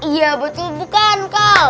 iya betul bukan kal